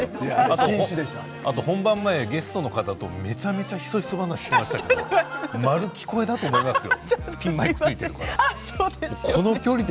本番前ゲストの方とめちゃめちゃヒソヒソ話をしていましたけど、まる聞こえだと思いますよ。